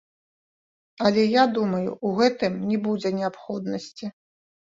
Але я думаю, ў гэтым не будзе неабходнасці.